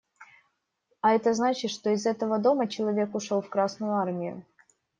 А это значит, что из этого дома человек ушел в Красную Армию.